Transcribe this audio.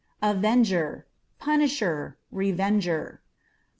Avenger â€" punisher, revenger.